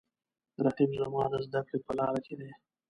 رقیب زما د زده کړې په لاره کې دی